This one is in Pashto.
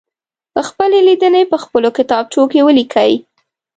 خپلې لیدنې په خپلو کتابچو کې ولیکئ.